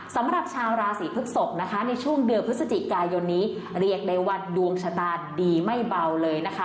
สำหรับชาวราศีพฤกษกนะคะในช่วงเดือนพฤศจิกายนนี้เรียกได้ว่าดวงชะตาดีไม่เบาเลยนะคะ